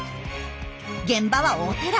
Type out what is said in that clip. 現場はお寺。